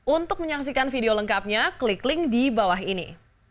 untuk menyaksikan video lengkapnya klik link di bawah ini